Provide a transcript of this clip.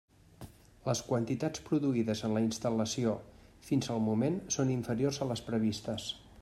Les quantitats produïdes en la instal·lació fins al moment són inferiors a les previstes.